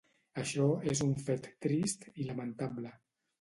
Això és un fet trist i lamentable.